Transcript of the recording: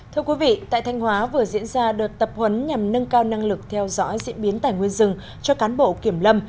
thưa quý vị tại thanh hóa vừa diễn ra đợt tập huấn nhằm nâng cao năng lực theo dõi diễn biến tài nguyên rừng cho cán bộ kiểm lâm